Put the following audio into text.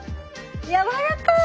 やわらかい！